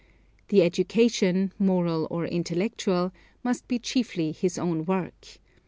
The education, moral or intellectual, must be chiefly his own work.